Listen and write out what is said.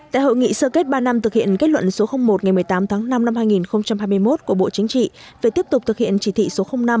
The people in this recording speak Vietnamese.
tại hội nghị sơ kết ba năm thực hiện kết luận số một ngày một mươi tám tháng năm năm hai nghìn hai mươi một của bộ chính trị về tiếp tục thực hiện chỉ thị số năm